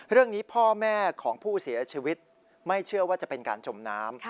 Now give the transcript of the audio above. เรื่องนี้พ่อแม่ของผู้เสียชีวิตไม่เชื่อว่าจะเป็นการจมน้ำ